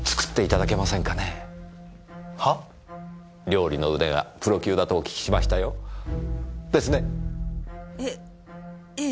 料理の腕がプロ級だとお聞きしましたよ。ですね？えええ。